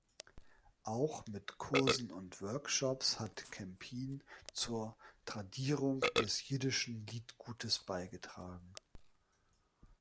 Auch mit Kursen und Workshops hat Kempin zur Tradierung des Jiddischen Liedgutes beigetragen.